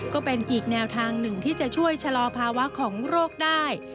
ก็เป็นอีกแนวทางหนึ่งที่จะช่วยชะลอภาวะของโรคได้